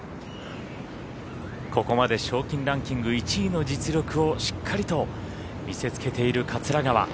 ここまで賞金ランキング１位の実力をしっかりと見せつけている桂川。